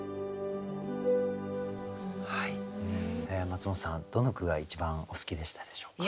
松本さんどの句が一番お好きでしたでしょうか。